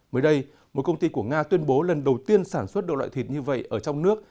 mới đây một công ty của nga tuyên bố lần đầu tiên sản xuất được loại thịt như vậy ở trong nước